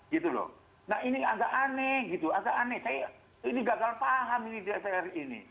gitu loh nah ini agak aneh gitu agak aneh saya ini gagal paham ini dpr ini